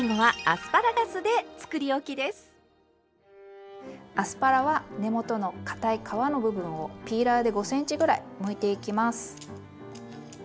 アスパラは根元のかたい皮の部分をピーラーで５ｃｍぐらいむいていきます。